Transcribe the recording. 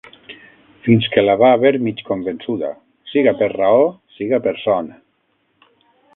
Fins que la va haver mig convençuda, siga per raó, siga per son.